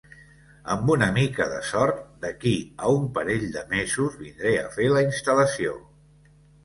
Amb una mica de sort, d'aquí a un parell de mesos vindré a fer la instal·lació.